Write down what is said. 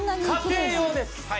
家庭用です